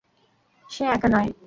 সে একা নয়।